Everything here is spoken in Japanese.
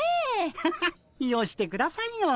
ハハッよしてくださいよ。